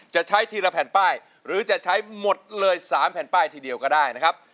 จะใช้ทีละแผ่นป้ายหรือจะใช้หมดเลย๓แผ่นป้ายทีเดียวก็ได้นะครับ